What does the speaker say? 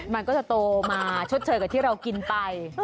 มันก็จะโตมาชดเชยกับที่เรากินไป